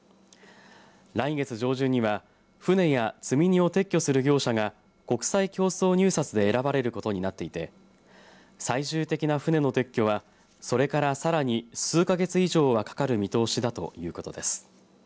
来月上旬には船や積み荷を撤去する業者が国際競争入札で選ばれることになっていて最終的な船の撤去はそれからさらに数か月以上はかかる見通しだということです。